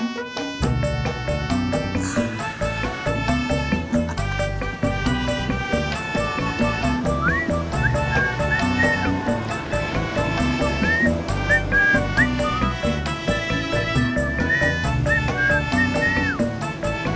gak ada apa apa